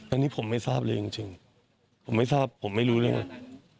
อันนี้ผมไม่ทราบเลยจริงผมไม่ทราบผมไม่รู้เรื่องเลย